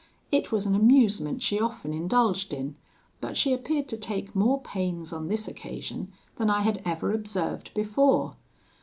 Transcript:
It was an amusement she often indulged in: but she appeared to take more pains on this occasion than I had ever observed before.